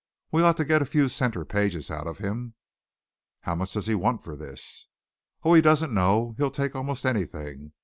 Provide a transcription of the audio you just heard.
We ought to get a few centre pages out of him." "How much does he want for this?" "Oh, he doesn't know. He'll take almost anything.